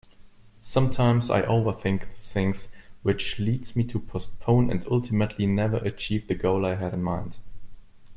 Sometimes I overthink things which leads me to postpone and ultimately never achieve the goal I had in mind.